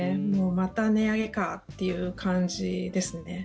また値上げかという感じですね。